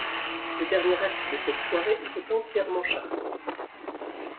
Le dernier acte de cette soirée était entièrement chartrain.